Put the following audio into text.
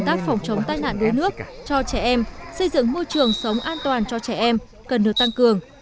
tác phòng chống tai nạn đuối nước cho trẻ em xây dựng môi trường sống an toàn cho trẻ em cần được tăng cường